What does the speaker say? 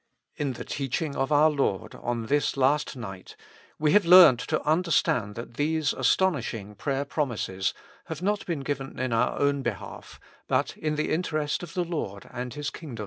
In the teaching of our Lord on this last night, we have learned to understand that these astonishing prayer promises have not been given in our own behalf, but in the interest of the Lord and His king 219 With Christ in the School of Prayer.